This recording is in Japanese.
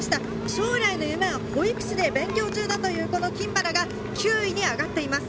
将来の夢は保育士で勉強中だという金原が９位に上がっています。